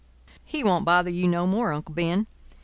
He won't bother you no more, Uncle Ben.